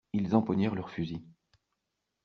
Ils empoignèrent leurs fusils.